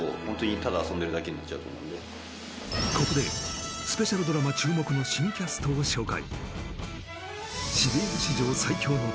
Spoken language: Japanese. ここでスペシャルドラマ注目の新キャストを紹介